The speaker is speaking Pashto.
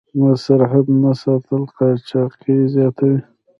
د سرحد نه ساتل قاچاق زیاتوي.